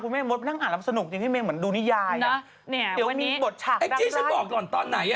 คุณแม่พูดในรายการตรงนี้เลยคุณแม่นั่งบอกว่า